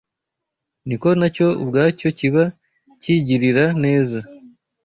niko nacyo ubwacyo kiba cyigirira neza